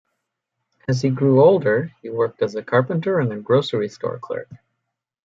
As he grew older, he worked as a carpenter and a grocery store clerk.